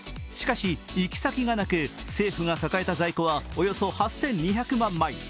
しかし、行き先がなく政府が抱えた在庫はおよそ８２００万枚。